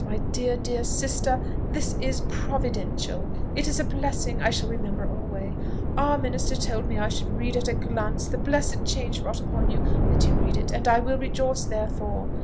My dear, dear sister! This is providential! It is a blessing I shall remember alway! Our minister told me that I should read at a glance the blessed change wrought upon you: I do read it, and I will rejoice therefore!